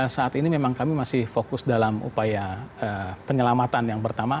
saat ini memang kami masih fokus dalam upaya penyelamatan yang pertama